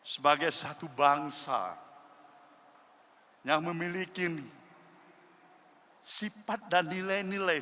sebagai satu bangsa yang memiliki sifat dan nilai nilai